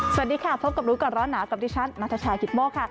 สวัสดีค่ะพบกับรู้ก่อนร้อนหนาวกับดิฉันนัทชายกิตโมกค่ะ